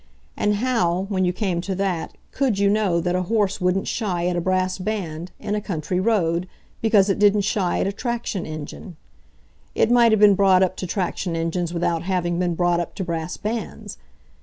And how, when you came to that, COULD you know that a horse wouldn't shy at a brass band, in a country road, because it didn't shy at a traction engine? It might have been brought up to traction engines without having been brought up to brass bands.